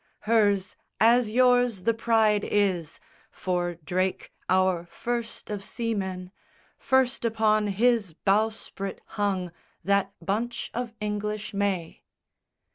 Hers as yours the pride is, for Drake our first of seamen First upon his bow sprit hung That bunch of English may.